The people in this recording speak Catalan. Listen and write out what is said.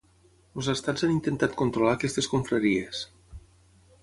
Els estats han intentat controlar aquestes confraries.